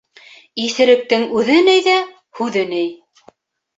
Иҫеректең үҙе ни ҙә, һүҙе ни.